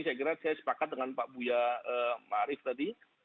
saya kira saya sepakat dengan pak buya marif tadi